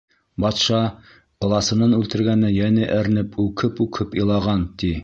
Батша, ыласынын үлтергәненә йәне әрнеп, үкһеп-үкһеп илаған, ти.